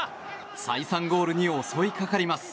再三ゴールに襲いかかります。